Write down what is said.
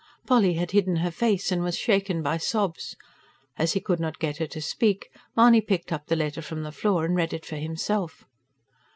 Polly had hidden her face, and was shaken by sobs As he could not get her to speak, Mahony picked up the letter from the floor and read it for himself.